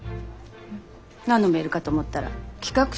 何のメールかと思ったら企画書よ。